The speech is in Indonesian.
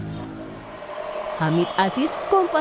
kondisi bayi akan menjadikan anak anaknya lebih mudah untuk berjaya berjaya